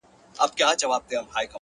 علم د هدفونو درک آسانه کوي،